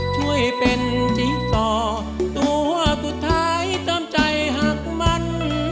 ช่วยเป็นที่ต่อตัวสุดท้ายตามใจหักมัน